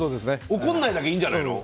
怒んないだけいいんじゃないの？